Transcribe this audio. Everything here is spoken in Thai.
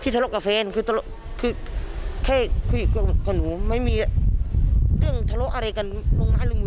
สวัสดีครับ